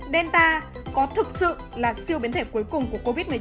belar có thực sự là siêu biến thể cuối cùng của covid một mươi chín